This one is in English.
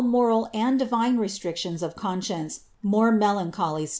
moral and divine resirictions of conscience more melancholy rttt.